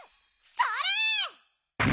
それ！